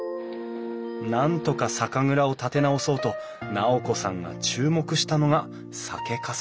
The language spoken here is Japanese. なんとか酒蔵を立て直そうと尚子さんが注目したのが酒かすだった。